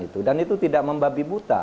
itu dan itu tidak membabi buta